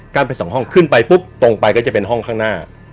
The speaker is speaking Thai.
ไปสองห้องขึ้นไปปุ๊บตรงไปก็จะเป็นห้องข้างหน้า